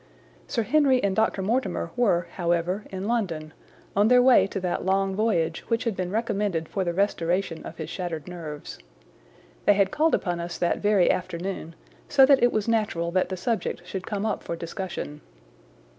Sir Henry and Dr. Mortimer were, however, in London, on their way to that long voyage which had been recommended for the restoration of his shattered nerves. They had called upon us that very afternoon, so that it was natural that the subject should come up for discussion.